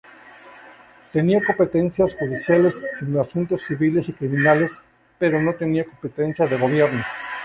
Tenía competencias judiciales en asuntos civiles y criminales, pero no tenía competencias de gobierno.